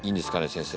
先生。